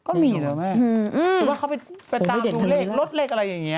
ก็มีนะแม่สิว่าเขาไปตามลดเลขอะไรอย่างนี้